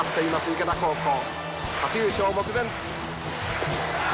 池田高校初優勝！